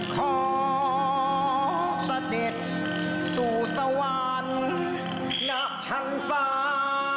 ขอสติดสู่สวรรค์หน้าชั้นฟ้า